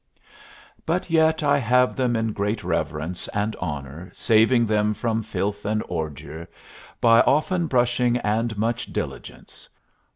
But yet I have them in great reverence And honor, saving them from filth and ordure By often brushing and much diligence.